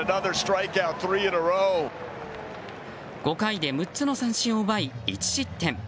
５回で６つの三振を奪い１失点。